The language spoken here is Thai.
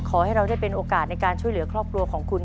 ขอให้เราได้เป็นโอกาสในการช่วยเหลือครอบครัวของคุณ